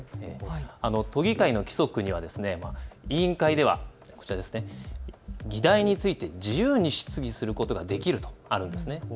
都議会の規則には、委員会では議題について自由に質疑することができるとあるんです。